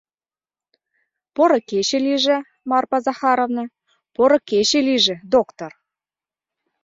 Поро кече лийже, Марпа Захаровна, поро кече лийже, доктор!